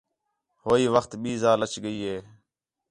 ہوئی وخت ٻئی ذال اَچ ڳئی ہِے